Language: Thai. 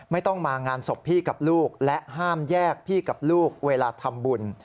ไม่ต้องมางานศพพี่กับลูกและห้ามแยกพี่กับลูกเวลาทำบุญ